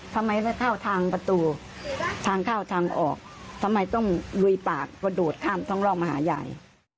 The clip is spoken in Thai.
ทำไมไม่เข้าทางประตูทางเข้าทางออกทำไมต้องลุยปากกระโดดข้ามท่องลอกมาหายาย